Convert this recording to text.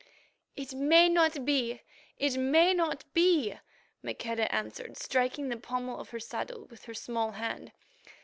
"It may not be, it may not be!" Maqueda answered, striking the pommel of her saddle with her small hand.